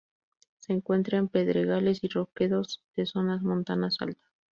Se encuentra en pedregales y roquedos de zonas montanas alta.